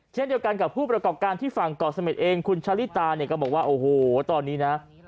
เช่นเดียวกันกับผู้ประกอบการที่ฝั่งเกาะเสม็ดเองคุณชะลิตาเนี่ยก็บอกว่าโอ้โหตอนนี้นะ